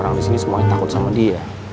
orang orang disini semuanya takut sama dia